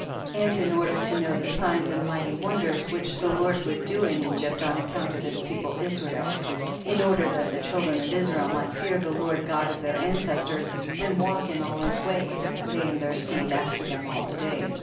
8. And in order to know the signs and mighty wonders which the Lord would do in Egypt on account of his people Israel, in order that the chil dren of Israel might fear the Lord God of their ancestors, and walk in all his ways, they and their seed af ter them all the days.